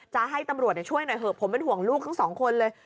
จะให้ตำรวจช่วยหน่อยเถอะผมเป็นห่วงลูกทั้งสองคนเลย